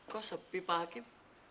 kok sepi pak hakim